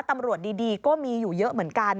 ตำรวจดีก็มีอยู่เยอะเหมือนกัน